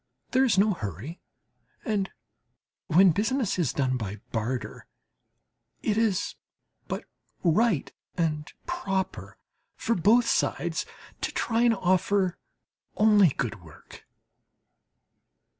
There is no hurry, and when business is done by barter, it is but right and proper for both sides to try and offer only good work.